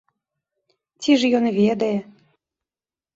Ці ж ён ведае?